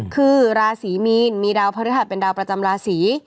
คือราศีมีนมีดาวพระฤหัสเป็นดาวประจำราศี